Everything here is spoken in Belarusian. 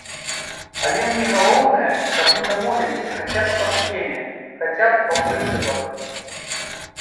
Але мне галоўнае, каб мы дамовіліся хаця б па схеме, хаця б па прынцыпах.